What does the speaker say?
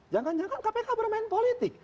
jangan jangan kpk bermain politik